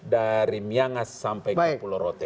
dari myangas sampai pulau rote